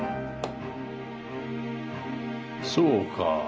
そうか。